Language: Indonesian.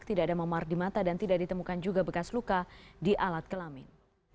tidak ada memar di mata dan tidak ditemukan juga bekas luka di alat kelamin